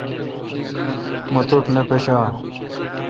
تو مہ ٹھ نہ پشہ اہ؟